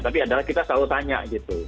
tapi adalah kita selalu tanya gitu